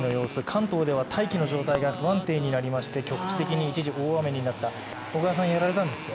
関東では大気の状態が不安定になりまして、局地的に一時大雨になった小川さん、やられたんですって？